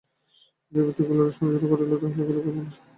ইন্দ্রিয়বৃত্তিগুলিকে সংযত করিতে হইলে ঐগুলিকে মূলে সংযত করিতে হইবে।